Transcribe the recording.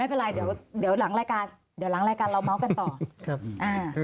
ไม่เป็นไรปีเดี๋ยวหลังรายการเราเมาส์กันต่อ